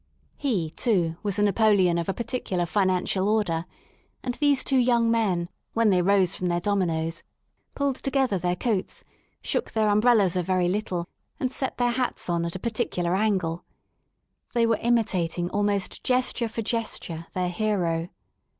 He, too, was a Napoleon of a particular financial order, and those two young men, when they rose from their dominos, pulled together their coatSj shook their um brellas a very little, and set their hats on at a particular angle. They were imitating almost gesture for gesture their hero.